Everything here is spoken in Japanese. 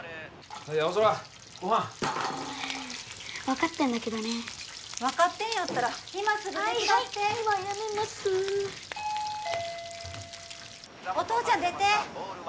はい青空ご飯分かってんだけどね分かってんやったら今すぐ手伝ってはいはい今やめますお父ちゃん出て！